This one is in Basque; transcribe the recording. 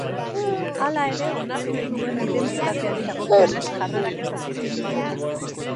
Hala ere, onartu egin du identitateari dagokionez jarrerak ez datozela bat.